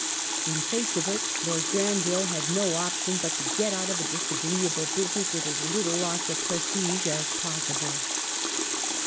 In face of it, Lord Granville had no option but to get out of a disagreeable business with as little loss of prestige as possible.